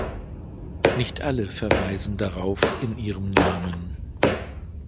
Nicht alle verweisen darauf in ihrem Namen.